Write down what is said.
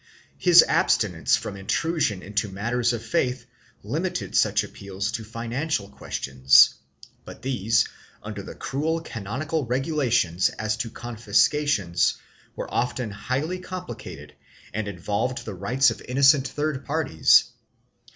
His absti nence from intrusion into matters of faith limited such appeals to financial questions, but these, under the cruel canonical regu lations as to confiscations, were often highly complicated and involved the rights of innocent third parties.